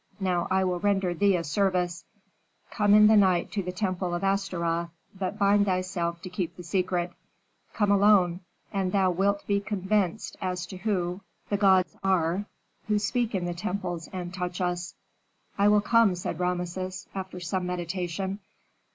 Now I will render thee a service: Come in the night to the temple of Astaroth, but bind thyself to keep the secret. Come alone, and thou wilt be convinced as to who the gods are who speak in the temples and touch us." "I will come," said Rameses, after some meditation.